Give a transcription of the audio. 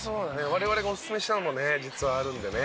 我々がおすすめしたのもね実はあるんでね。